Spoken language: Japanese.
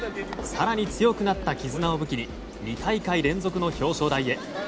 更に強くなった絆を武器に２大会連続の表彰台へ。